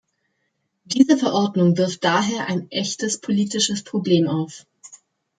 Diese Verordnung wirft daher ein echtes politisches Problem auf.